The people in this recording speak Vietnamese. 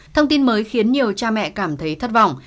thông tin mới khiến nhiều cha mẹ cảm thấy thất vọng